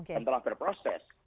yang telah berproses